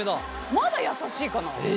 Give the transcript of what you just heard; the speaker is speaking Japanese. まだ優しいかな。え？